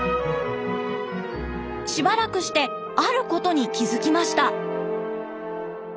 しばらくしてあることに気付きました。